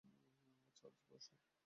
Charles, বসি?